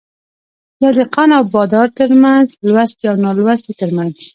يا دهقان او بادار ترمنځ ،لوستي او نالوستي ترمنځ